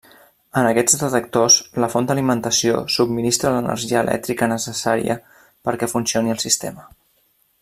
En aquests detectors, la font d'alimentació subministra l'energia elèctrica necessària perquè funcioni el sistema.